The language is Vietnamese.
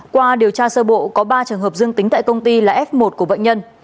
qua điều tra sơ bộ có ba trường hợp dương tính tại công ty là f một của bệnh nhân